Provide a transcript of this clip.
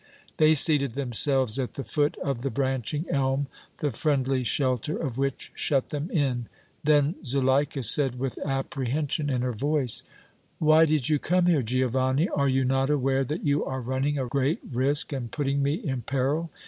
They seated themselves at the foot of the branching elm, the friendly shelter of which shut them in. Then Zuleika said, with apprehension in her voice: "Why did you come here, Giovanni? Are you not aware that you are running a great risk and putting me in peril?